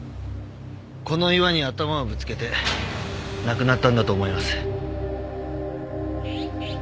この岩に頭をぶつけて亡くなったんだと思います。